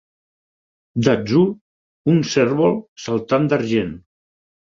D'atzur, un cérvol saltant d'argent.